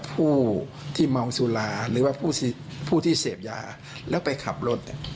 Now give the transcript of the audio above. ผู้ที่เมาสุราหรือว่าผู้ที่เสพยาแล้วไปขับรถเนี่ย